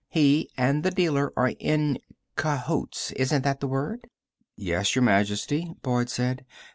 He and the dealer are in cahoots ... isn't that the word?" "Yes, Your Majesty," Boyd said.